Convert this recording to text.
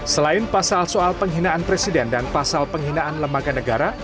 selain pasal soal penghinaan presiden dan pasal penghinaan lembaga negara